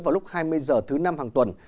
vào lúc hai mươi h thứ năm hàng tuần